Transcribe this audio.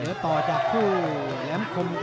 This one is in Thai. หัวตอดจากคู่๗๐แล้วก็จะเป็นคู่ของ